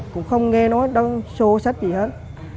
cũng không nghe nói đăng sổ sách gì hết